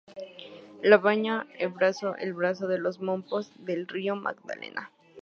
Lo baña el brazo el brazo de Mompós del río Magdalena.